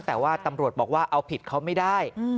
แต่ว่าตำรวจบอกว่าเอาผิดเขาไม่ได้